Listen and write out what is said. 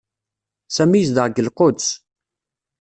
Sami yezdeɣ deg Lquds.